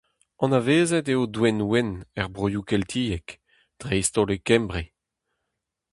Anavezet eo Douenwenn er broioù keltiek, dreist-holl e Kembre.